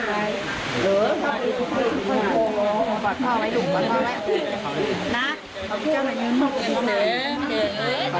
ตอนนี้ก็ไม่มีเวลาให้กลับมาเที่ยวกับเวลา